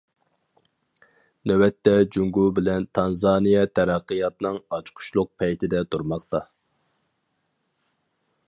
نۆۋەتتە جۇڭگو بىلەن تانزانىيە تەرەققىياتنىڭ ئاچقۇچلۇق پەيتىدە تۇرماقتا.